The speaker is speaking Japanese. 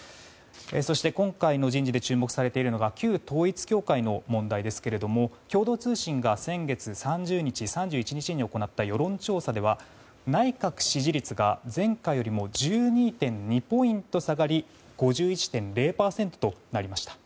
そして、今回の人事で注目されているのが旧統一教会の問題ですけれども共同通信が先月３０日、３１日で行った世論調査では内閣支持率が前回よりも１２．２ポイント下がり５１．０％となりました。